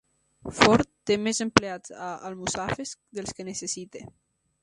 Ford té més empleats a Almussafes dels que necessita